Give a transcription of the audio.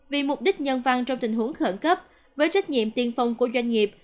vì mục đích nhân văn trong tình huống khẩn cấp với trách nhiệm tiên phong của doanh nghiệp